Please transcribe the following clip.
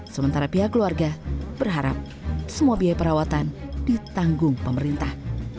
sementara pihak keluarga berharap semua biaya perawatan ditanggung pemerintah